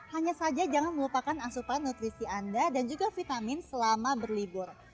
hanya saja jangan melupakan asupan nutrisi anda dan juga vitamin selama berlibur